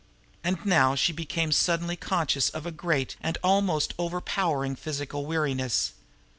And now she became suddenly conscious of a great and almost overpowering physical weariness.